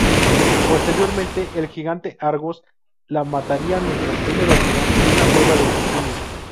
Posteriormente el gigante Argos la mataría mientras ella dormía en una cueva de Sicilia.